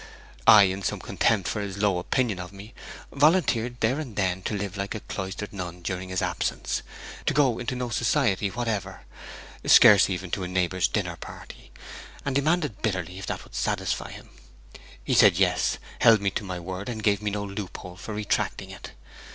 I, in some contempt for his low opinion of me, volunteered, there and then, to live like a cloistered nun during his absence; to go into no society whatever, scarce even to a neighbour's dinner party; and demanded bitterly if that would satisfy him. He said yes, held me to my word, and gave me no loophole for retracting it.